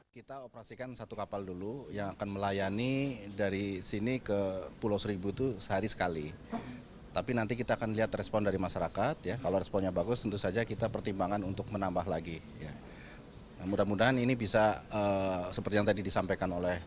kmp kundur bisa mengangkut logistik